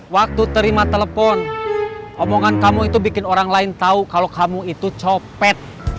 waktu terima telepon omongan kamu itu bikin orang lain tahu kalau kamu itu copet